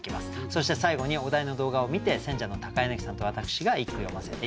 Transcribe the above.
そして最後にお題の動画を観て選者の柳さんと私が一句詠ませて頂きます。